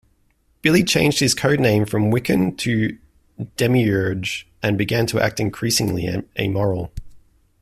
Billy changed his codename from Wiccan to Demiurge, and began to act increasingly amoral.